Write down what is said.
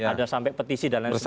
ada sampai petisi dan lain sebagainya